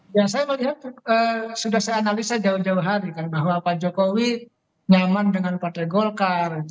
ya saya melihat sudah saya analisa jauh jauh hari kan bahwa pak jokowi nyaman dengan partai golkar